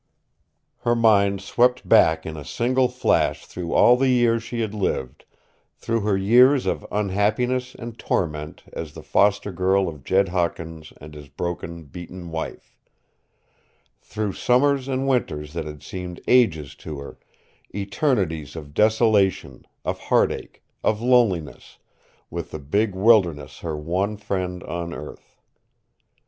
Her mind swept back in a single flash through all the years she had lived, through her years of unhappiness and torment as the foster girl of Jed Hawkins and his broken, beaten wife; through summers and winters that had seemed ages to her, eternities of desolation, of heartache, of loneliness, with the big wilderness her one friend on earth.